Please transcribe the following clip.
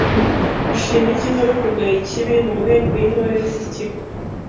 Gushima icyiza no kugaya ikibi mu nteko y’Intore za z’ikigo;